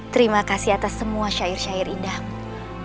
terima kasih atas semua syair syair indahmu